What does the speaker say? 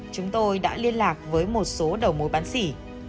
chúng tôi đã liên lạc với một số đầu mối bán xỉ